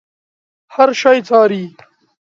هر شی څاري.